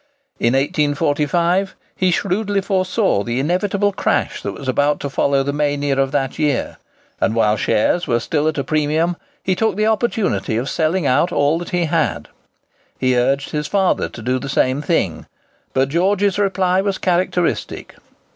In 1845, he shrewdly foresaw the inevitable crash that was about to follow the mania of that year; and while shares were still at a premium he took the opportunity of selling out all that he had. He urged his father to do the same thing, but George's reply was characteristic.